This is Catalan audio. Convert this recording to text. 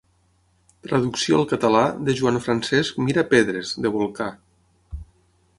Traducció al català de Joan-Francesc Mira Pedres de volcà.